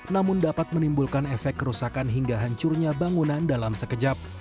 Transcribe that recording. namun dapat menimbulkan efek kerusakan hingga hancurnya bangunan dalam sekejap